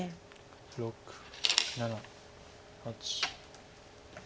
６７８。